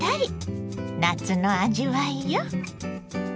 夏の味わいよ。